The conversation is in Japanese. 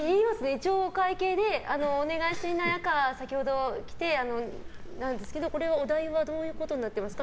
一応お会計でお願いしてない赤、先ほど来てなんですけどこれはお代は、どういうことになってますか？